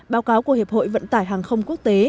báo cáo của hiệp hội vận tải hàng không quốc tế